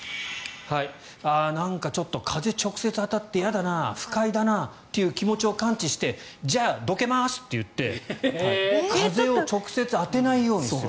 なんかちょっと風、直接当たって嫌だな、不快だなという気持ちを感知してじゃあ、どけますって言って風を直接当てないようにする。